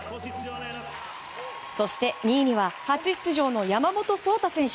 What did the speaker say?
そして、２位には初出場の山本草太選手。